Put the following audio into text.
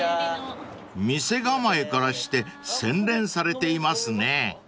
［店構えからして洗練されていますね］